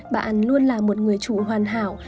bạn luôn là một người chủ hoàn hảo